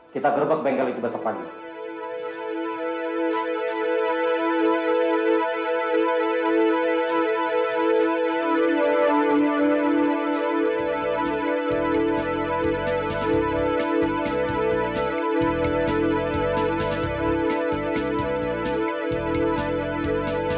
kita gerbak bengkel itu besok pagi